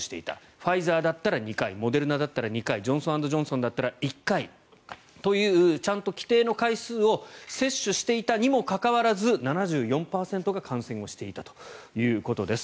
ファイザーだったら２回モデルナだったら２回ジョンソン・エンド・ジョンソンだったら１回というちゃんと既定の回数を接種していたにもかかわらず７４％が感染をしていたということです。